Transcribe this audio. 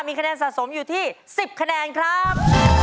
มีคะแนนสะสมอยู่ที่๑๐คะแนนครับ